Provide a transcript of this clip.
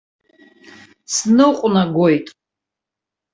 Сныҟәнагоит.